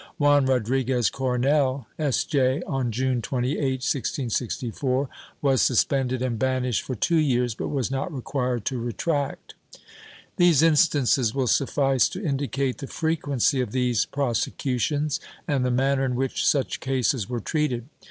Juan Rodriguez Coronel, S. J., on June 28, 1664, was suspended and banished for two years, but was not required to retract. These instances will suffice to indicate the frequency of these prosecutions and the manner in which such cases were treated.